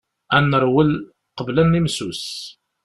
Ad nerwel qbel ad nimsus.